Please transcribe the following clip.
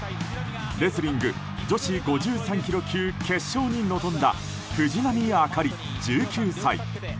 レスリング女子５３ｋｇ級決勝に臨んだ藤波朱理、１９歳。